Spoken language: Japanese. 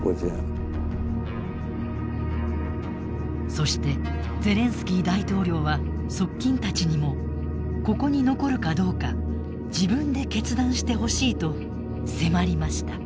そしてゼレンスキー大統領は側近たちにも「ここに残るかどうか自分で決断してほしい」と迫りました。